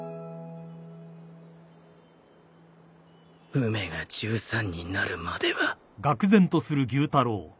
梅が１３になるまでは